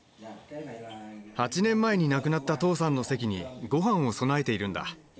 ８年前に亡くなった父さんの席にごはんを供えているんだ。